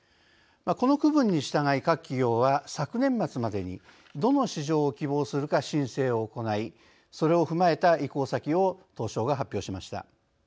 この区分に従い各企業は昨年末までにどの市場を希望するか申請を行いそれを踏まえた移行先を東証が発表しました。